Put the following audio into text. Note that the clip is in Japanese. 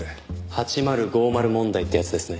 ８０５０問題ってやつですね。